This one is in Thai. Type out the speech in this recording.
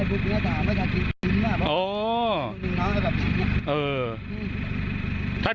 อือ